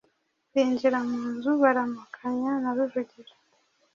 Binjira mu nzu baramukanya na Rujugira